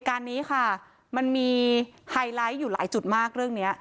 การนี้ค่ะมันมีไฮไลท์อยู่หลายจุดมากเรื่องนี้